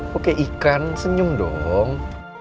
kok kayak ikan senyum dong